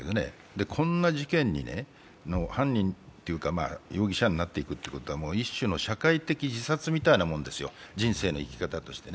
こんな事件の容疑者になっていくいうのは一種の社会的自殺みたいななんですよ、人生の生き方としてね。